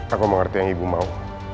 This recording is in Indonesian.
aku mengerti yang ibu mau